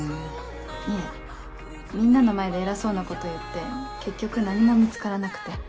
いえみんなの前で偉そうなこと言って結局何も見つからなくて。